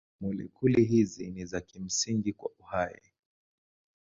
Molekuli hizi ni za kimsingi kwa uhai.